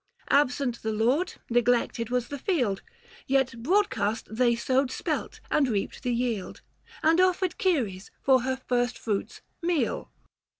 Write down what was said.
Absent the lord, neglected was the field ; 550 Yet broadcast they sowed spelt, and reaped the yield, And offered Ceres, for her first fruits, meal.